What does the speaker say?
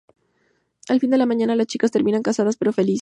Al final de la mañana, las chicas terminan cansadas pero felices.